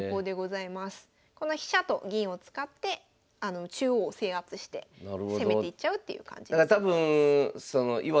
この飛車と銀を使って中央を制圧して攻めていっちゃうっていう感じの戦法です。